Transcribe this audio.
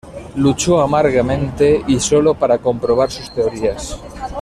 Luchó amargamente y solo, para comprobar sus teorías.